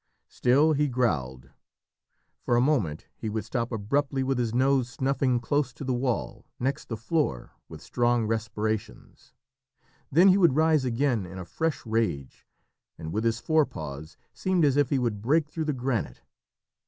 Still he growled. For a moment he would stop abruptly with his nose snuffing close to the wall, next the floor, with strong respirations; then he would rise again in a fresh rage, and with his forepaws seemed as if he would break through the granite.